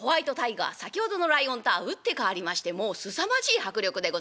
先ほどのライオンとは打って変わりましてもうすさまじい迫力でございます。